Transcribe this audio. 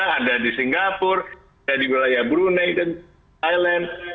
ada di singapura ada di wilayah brunei dan thailand